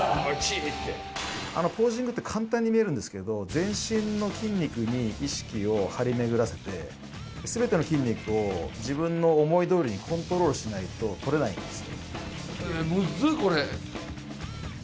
ポージングって簡単に見えるんですけれど全身の筋肉に意識を張り巡らせて全ての筋肉を自分の思いどおりにコントロールしないと取れないんですよ。